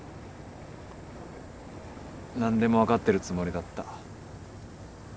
何でも分かってるつもりだった。